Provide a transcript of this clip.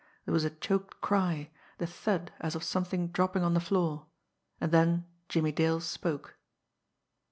There was a choked cry, the thud as of something dropping on the floor and then Jimmie Dale spoke.